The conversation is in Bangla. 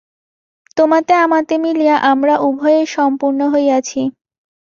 তোমাতে আমাতে মিলিয়া আমরা উভয়ে সম্পূর্ণ হইয়াছি।